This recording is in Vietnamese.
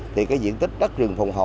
thì cái diện tích đất rừng phùng hộ